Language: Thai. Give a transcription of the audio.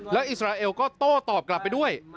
แล้วอิสราเอลก็โต้ตอบกลับไปด้วย